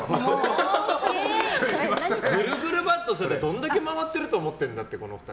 ぐるぐるバット、どんだけ回ってるって思ってるのこの２人。